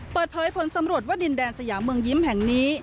เปิดเผยผลสำรวจว่าดินแดนสยามเมืองยิ้มแห่งนี้